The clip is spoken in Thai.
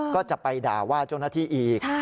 ก็จะไปด่าว่าเจ้าหน้าที่อีก